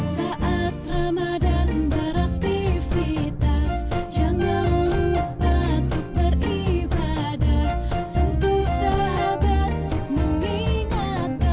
saat ramadhan beraktifitas jangan lupa untuk beribadah sentuh sahabat untuk mengingatkan itulah kemuliaan ramadhan